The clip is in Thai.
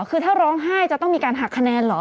คือถ้าร้องไห้จะต้องมีการหักคะแนนเหรอ